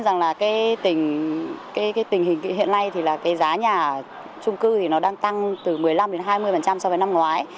giá nhà trung cư đang tăng từ một mươi năm hai mươi so với năm ngoái